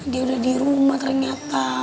dia udah di rumah ternyata